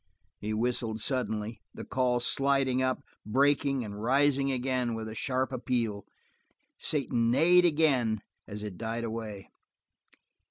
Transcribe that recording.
He whistled suddenly, the call sliding up, breaking, and rising again with a sharp appeal. Satan neighed again as it died away.